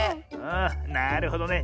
あなるほどね。